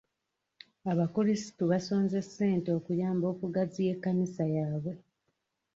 Abakulisitu basonze ssente okuyamba okugaziya ekkanisa yabwe.